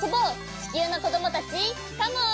ちきゅうのこどもたちカモン！